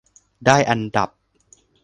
ได้อันดับ